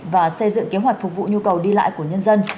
và xây dựng kế hoạch phục vụ nhu cầu đi lại của nhân dân